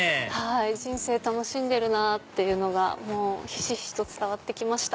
人生楽しんでるなっていうのがひしひしと伝わってきました。